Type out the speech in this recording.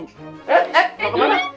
eh eh mau kemana